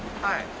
はい。